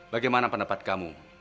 bagaimana pendapat kamu